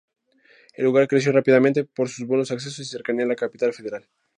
El lugar creció rápidamente por sus buenos accesos y cercanía a la Capital Federal.